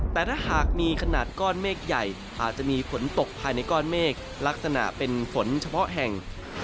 แต่ถ้าหากมีขนาดก้อนเมฆใหญ่อาจจะมีฝนตกภายในก้อนเมฆลักษณะเป็นฝนเฉพาะแห่ง